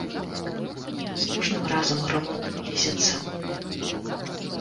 З кожным разам грымоты блізяцца.